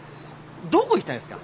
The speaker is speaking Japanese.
どこ行きたいんですか？